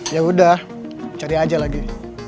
yaudah cari aja lagi